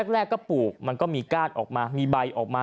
แรกก็ปลูกมันก็มีก้านออกมามีใบออกมา